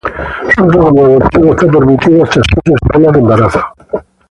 Su uso como abortivo está permitido hasta siete semanas de embarazo.